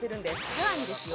さらにですよ